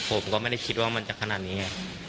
ผมก็ไม่ได้คิดว่ามันจะขนาดนี้ไง